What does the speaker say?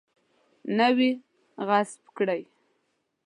نه وي غصب کړی.